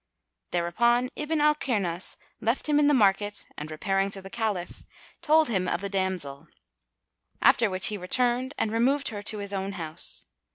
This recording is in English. Thereupon Ibn al Kirnas left him in the market and repairing to the Caliph, told him of the damsel; after which he returned and removed her to his own house.